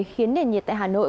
khiến nền nhiệt tại hà nội